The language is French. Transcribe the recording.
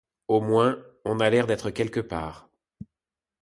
Au moins, on a l’air d’être quelque part.